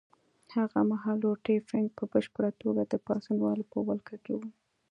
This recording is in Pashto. هغه مهال روټي فنک په بشپړه توګه د پاڅونوالو په ولکه کې وو.